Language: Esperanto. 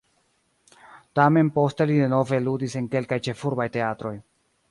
Tamen poste li denove ludis en kelkaj ĉefurbaj teatroj.